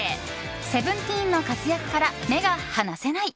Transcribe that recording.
ＳＥＶＥＮＴＥＥＮの活躍から目が離せない。